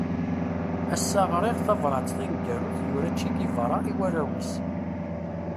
Ass-a ɣriɣ tabrat taneggarut yura Che Guevara i warraw-is.